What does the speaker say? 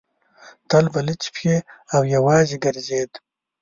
تل به لڅې پښې او یوازې ګرځېد.